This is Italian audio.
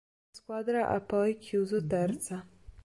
La squadra ha poi chiuso terza.